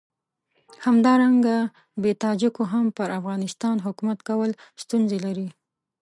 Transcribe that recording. همدارنګه بې تاجکو هم پر افغانستان حکومت کول ستونزې لري.